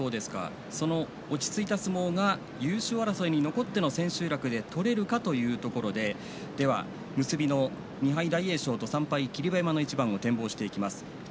その落ち着いた相撲が優勝争いに残っての千秋楽で取れるかというところででは結びの２敗、大栄翔と３敗、霧馬山の相撲を展望していきます。